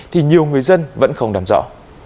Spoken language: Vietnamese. thì nhiều người dân vẫn không đảm rõ